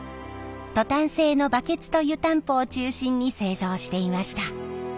トタン製のバケツと湯たんぽを中心に製造していました。